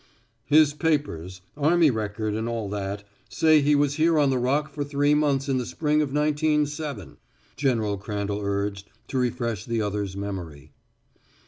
"His papers army record and all that say he was here on the Rock for three months in the spring of nineteen seven," General Crandall urged, to refresh the other's memory.